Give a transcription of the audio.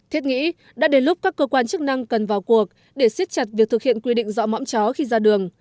thiết nghĩ đã đến lúc các cơ quan chức năng cần vào cuộc để siết chặt việc thực hiện quy định dọ mõm chó khi ra đường